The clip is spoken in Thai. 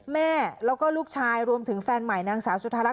แม่แล้วก็ลูกชายรวมถึงแฟนใหม่นางสาวสุธารัก